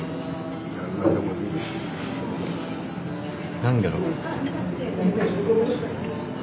何だろう。